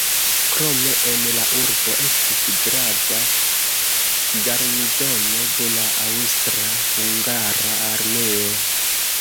Krome en la urbo estis grava garnizono de la aŭstra-hungara armeo.